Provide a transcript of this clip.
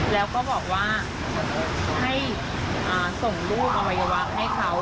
แล้วก็บอกว่าให้ส่งลูกอวัยวะให้เขา